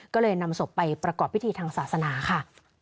ก็เลยนำศพไปประกอบพิธีทางศาสนาค่ะ